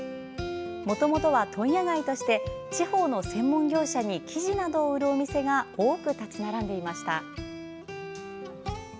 もともとは問屋街として地方の専門業者に生地などを売るお店が多く立ち並んでいました。